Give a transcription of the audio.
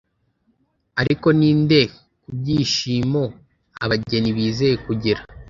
Ariko ninde kubwibyishimo abageni bizeye kugira